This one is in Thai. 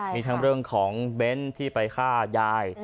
มีทั้งเรื่องของเบ้นที่ไปฆ่ายาย